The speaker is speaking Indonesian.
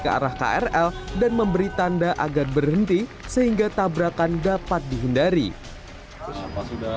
ke arah krl dan memberi tanda agar berhenti sehingga tabrakan dapat dihindari kenapa sudah